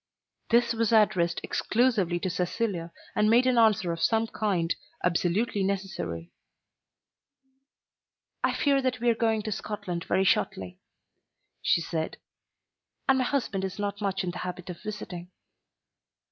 This was addressed exclusively to Cecilia, and made an answer of some kind absolutely necessary. "I fear that we are going to Scotland very shortly," she said; "and my husband is not much in the habit of visiting."